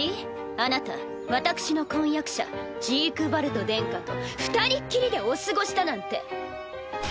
あなた私の婚約者ジークヴァルト殿下と二人っきりでお過ごしだなんて。